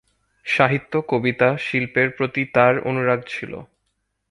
সাহিত্য, কবিতা, শিল্পের প্রতি তার অনুরাগ ছিলো।